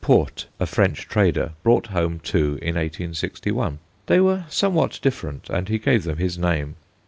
Porte, a French trader, brought home two in 1861; they were somewhat different, and he gave them his name.